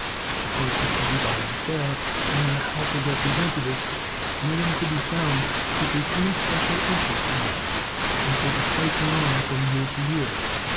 The Park was everybody's affair, and in the House of Representatives no one could be found to take any special interest in it. And so the fight went on from year to year.